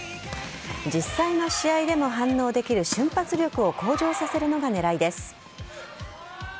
実際の試合でも反応できる瞬発力を向上させるのが狙いです。